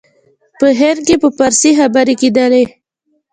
په هند کې په فارسي خبري کېدلې.